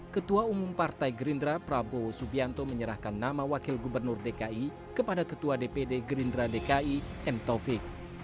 ketua umum partai gerindra prabowo subianto menyerahkan nama wakil gubernur dki kepada ketua dpd gerindra dki m taufik